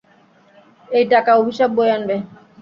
এই টাকা অভিশাপ বয়ে আনবে।